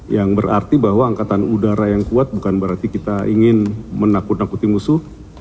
yang berarti bahwa angkatan udara yang kuat bukan berarti kita ingin menakut nakuti musuh